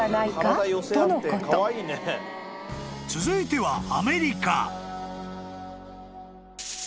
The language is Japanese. ［続いては］